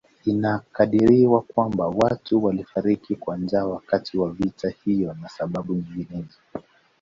Inakadiriwa kwamba watu walifariki kwa njaa wakati wa vita hivyo na sababu nyinginezo